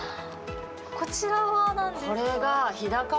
こちらはなんですか？